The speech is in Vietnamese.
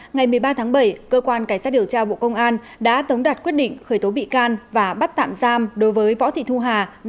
ngày một mươi ba tháng bảy cơ quan cảnh sát điều tra bộ công an đã tống đạt quyết định khởi tố bị can và bắt tạm giam đối với võ thị thu hà